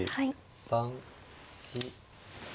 ３４。